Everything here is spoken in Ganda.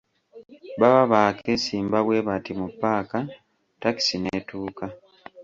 Baba baakeesimba bwe bati mu paaka, takisi n'etuuka.